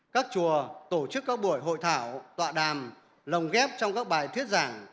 các chùa tổ chức các buổi hội thảo tọa đàm lồng ghép trong các bài thuyết giảng